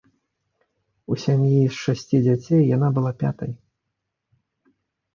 У сям'і з шасці дзяцей яна была пятай.